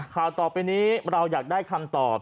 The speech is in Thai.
ข่าวต่อไปนี้เราอยากได้คำตอบ